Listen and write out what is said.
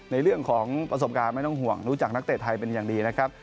ในเรื่องของประสงค์การไม่ต้องห่วงนักเตรดไทยเป็นอย่างดีนะครับ